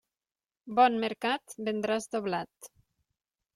Bon mercat vendràs doblat.